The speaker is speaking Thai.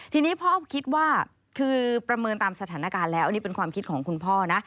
ทีนี้พ่อคิดว่าคือประเมินตามสถานการณ์แล้วอันนี้เป็นความคิดของคุณพ่อนะ